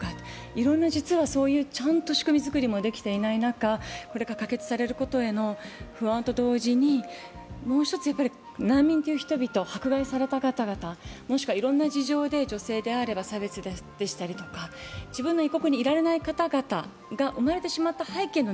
いろいろな仕組み作りもちゃんとできていない中、これが可決されることへの不安と同時に、もう一つ、難民という人々、迫害された方々、もしくはいろいろな事情で女性あれば差別でしたり、自分の国にいられない方々が生まれてしまった背景の